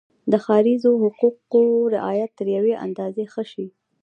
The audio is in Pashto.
د ښاریزو حقوقو رعایت تر یوې اندازې ښه شي.